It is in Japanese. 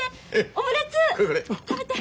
オムレツ食べて。